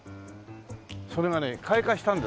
それがね開花したんですね。